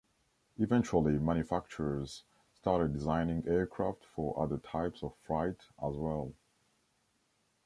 Eventually manufacturers started designing aircraft for other types of freight as well.